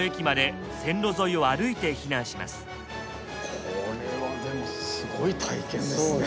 これはでもすごい体験ですね。